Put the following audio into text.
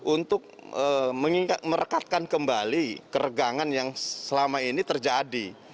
untuk merekatkan kembali keregangan yang selama ini terjadi